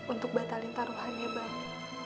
untuk batalin taruhan ya bang